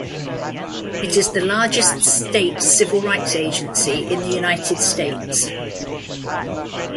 It is the largest state civil rights agency in the United States.